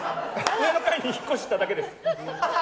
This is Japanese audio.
上の階に引っ越しただけです。